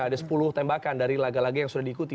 ada sepuluh tembakan dari laga laga yang sudah diikuti